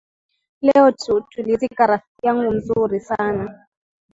Leo tulizika rafiki yangu mzuri san